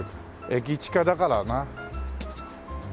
駅近だからな。